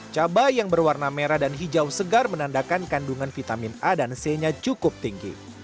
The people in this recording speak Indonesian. cabai yang berwarna merah dan hijau segar menandakan kandungan vitamin a dan c nya cukup tinggi